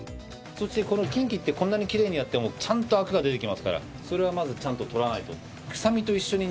そしてこのキンキってこんなにキレイにやってもちゃんとアクが出て来ますからそれはまずちゃんと取らないと。